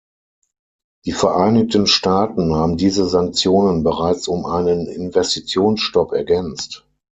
Die Vereinigten Staaten haben diese Sanktionen bereits um einen Investitionsstop ergänzt.